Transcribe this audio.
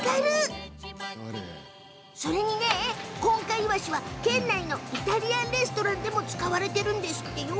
こんかいわしは県内のイタリアンレストランでも使われているんですって。